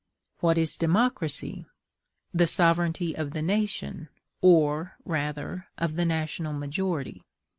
What is democracy? The sovereignty of the nation, or, rather, of the national majority.